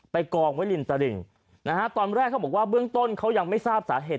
กองไว้ริมตลิ่งนะฮะตอนแรกเขาบอกว่าเบื้องต้นเขายังไม่ทราบสาเหตุ